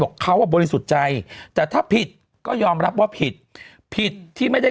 บอกเขาว่าบริสุจัยแต่ถ้าผิดก็ยอมรับว่าผิดผิดที่ไม่ได้